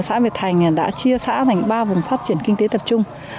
xã việt thành đã chia xã thành ba vùng phát triển kinh tế tập trung